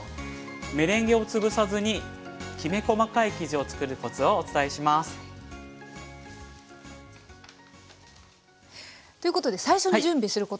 メレンゲを潰さずにきめ細かい生地を作るコツをお伝えします。ということで最初に準備することから教わります。